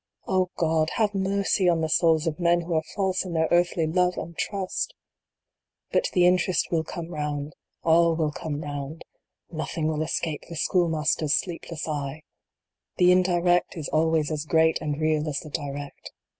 O God ! have mercy on the souls of men who are false to their earthly love and trust 1 THE AUTOGRAPH ON THE SOUL. 107 But the interest will come round all will come round ! Nothing will escape the Schoolmaster s sleepless eye ! The indirect is always as great and real as the direct.